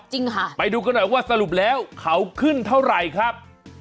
จริงค่ะไปดูกันหน่อยว่าสรุปแล้วเขาขึ้นเท่าไหร่ครับ